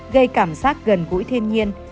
gây cảm giác gần gũi thiên nhiên